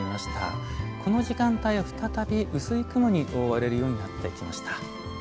この時間帯は再び薄い雲に覆われるようになってきました。